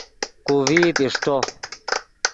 کو ڤئیت اݰٹو